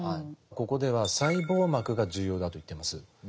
ここでは細胞膜が重要だと言っています。